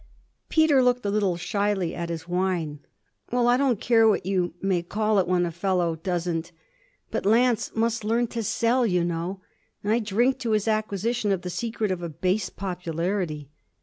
Peter looked a little shyly at his wine. 'Well I don't care what you may call it when a fellow doesn't but Lance must learn to sell, you know. I drink to his acquisition of the secret of a base popularity!'